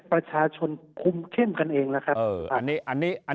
ภูเข้มคุมเข้มกันเองละคะอันนี้อัน